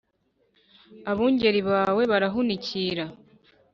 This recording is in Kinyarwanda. Abungeri bawe barahunikira